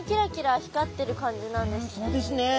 そうですね。